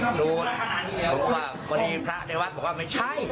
พระอาจารย์บอกว่าพระอาจารย์ในวัดบอกว่าไม่ใช่